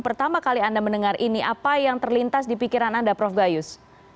pertama kali anda mendengar ini apa yang terlintas di pikiran anda prof gayus